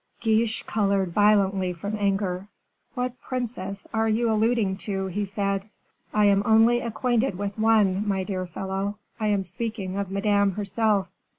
Guiche colored violently from anger. "What princess are you alluding to?" he said. "I am only acquainted with one, my dear fellow. I am speaking of Madame herself.